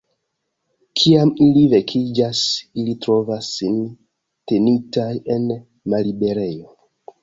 Kiam ili vekiĝas, ili trovas sin tenitaj en malliberejo.